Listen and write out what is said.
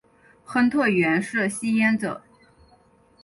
亨特原是吸烟者。